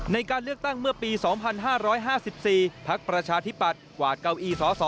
ในการเลือกตั้งเมื่อปีสองพันห้าร้อยห้าสิบสี่ภาคประชาธิบัติกวาดเก้าอี้สอสอ